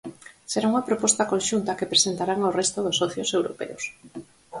Será unha proposta conxunta que presentarán ao resto de socios europeos.